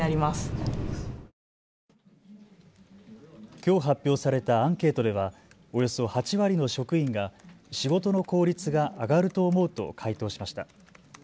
きょう発表されたアンケートではおよそ８割の職員が仕事の効率が上がると思うと回答しました。